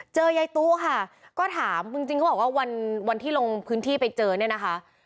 ยายตู้ค่ะก็ถามจริงเขาบอกว่าวันที่ลงพื้นที่ไปเจอเนี่ยนะคะ